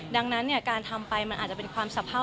ดังนั้นการทำไปมันอาจจะเป็นความสะเพ้อ